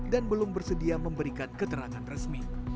dan belum bersedia memberikan keterangan resmi